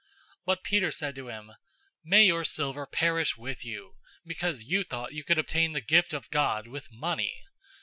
008:020 But Peter said to him, "May your silver perish with you, because you thought you could obtain the gift of God with money!